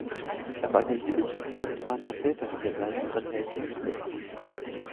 Er war der jüdische Großvater väterlicherseits von Helmut Schmidt.